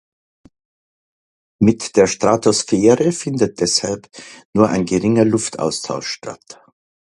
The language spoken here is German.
Mit der Stratosphäre findet deshalb nur ein geringer Luftaustausch statt.